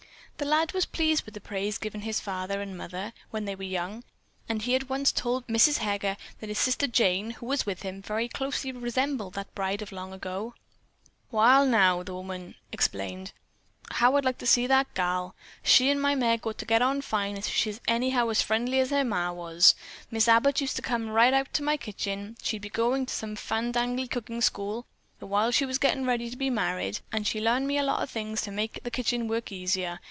The lad was pleased with the praise given his father and mother, when they were young, and he at once told Mrs. Heger that his sister Jane, who was with him, very closely resembled that bride of long ago. "Wall, now," the good woman exclaimed, "how I'd like to see the gal. She'n my Meg ought to get on fine, if she's anyhow as friendly as her ma was. Mis' Abbott used to come right out to my kitchen. She'd been goin' to some fandangly cookin' school, the while she was gettin' ready to be married, and she larned me a lot of things to make kitchen work easier.